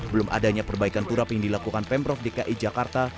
belum adanya perbaikan turap yang dilakukan pemprov dki jakarta